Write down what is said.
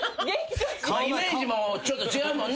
イメージもちょっと違うもんね。